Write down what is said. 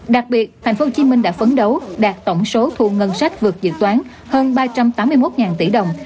đặc biệt thành phố hồ chí minh đã phấn đấu đạt tổng số thu ngân sách vượt dự toán hơn ba trăm tám mươi một tỷ đồng